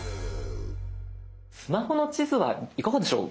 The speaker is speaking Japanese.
スマホの地図はいかがでしょう？